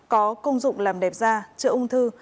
có công dụng làm đẹp da chữa ung thư